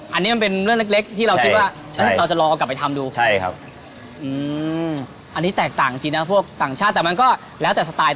อันนี้มันเป็นเรื่องเล็กที่เราคิดว่า